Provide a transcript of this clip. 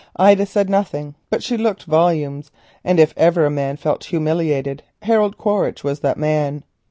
Ida said nothing, but she looked volumes, and if ever a man felt humiliated, Harold Quaritch was that man.